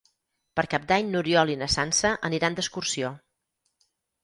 Per Cap d'Any n'Oriol i na Sança aniran d'excursió.